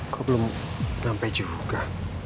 kok belum sampai juga